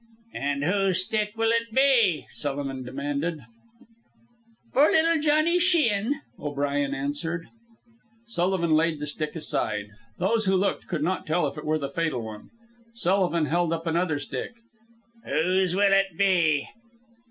"An' whose stick will it be?" Sullivan demanded. "For little Johnny Sheehan," O'Brien answered. Sullivan laid the stick aside. Those who looked could not tell if it were the fatal one. Sullivan held up another stick. "Whose will it be?"